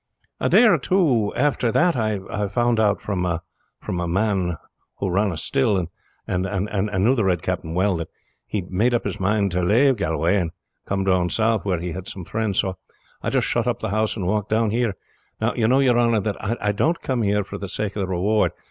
"A day or two after that I found out from a man who run a still, and knew the Red Captain well, that he had made up his mind to lave Galway and come down south, where he had some friends; so I just shut up the house and walked down here. Now you know, your honor, that I don't come here for the sake of the reward.